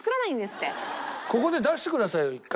ここで出してくださいよ１回。